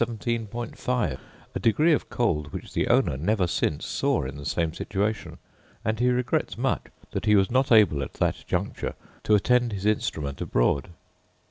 5, a degree of cold which the owner never since saw in the same situation; and he regrets much that he was not able at that juncture to attend his instrument abroad.